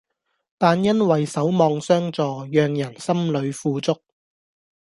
但因為守望相助讓人心裏富足